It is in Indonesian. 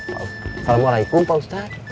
assalamualaikum pak ustadz